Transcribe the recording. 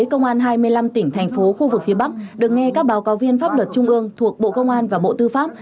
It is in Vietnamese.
công an hai mươi năm tỉnh thành phố khu vực phía bắc được nghe các báo cáo viên pháp luật trung ương thuộc bộ công an và bộ tư pháp